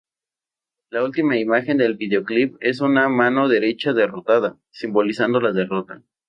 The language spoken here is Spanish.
La última imagen del videoclip es una mano derecha derrotada, simbolizando la derrota.